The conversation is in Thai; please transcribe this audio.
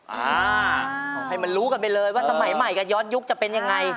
ขอให้มันรู้กันไปเลยว่าสมัยใหม่กับย้อนยุคจะเป็นยังไง